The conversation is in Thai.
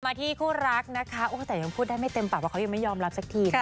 ที่คู่รักนะคะแต่ยังพูดได้ไม่เต็มปากว่าเขายังไม่ยอมรับสักทีนะคะ